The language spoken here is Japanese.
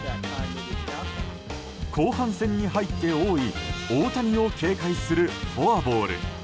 後半戦に入って多い大谷を警戒するフォアボール。